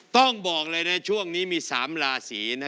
ต้องบอกเลยนะช่วงนี้มี๓ราศีนะ